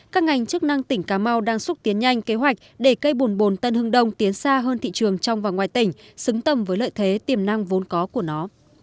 các ngành chức năng tỉnh cà mau đang xúc tiến nhanh kế hoạch để cây bùn bồn tân hưng đông tiến xa hơn thị trường trong và ngoài tỉnh xứng tầm với lợi thế tiềm năng vốn có của nó